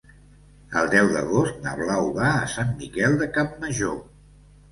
El deu d'agost na Blau va a Sant Miquel de Campmajor.